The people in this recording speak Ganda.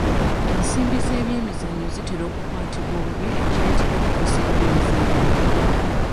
Ensimbi z'ebyemizannyo zitera okukwatibwa obubi ekireeta okukosa eby'emizannyo